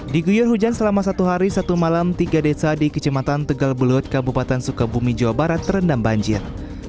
di guyur hujan selama satu hari satu malam tiga desa di kecematan tegal belut kabupaten sukabumi jawa barat terendam banjir